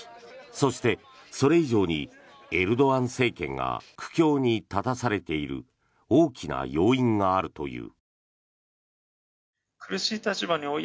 そして、それ以上にエルドアン政権が苦境に立たされている大きな要因があるという。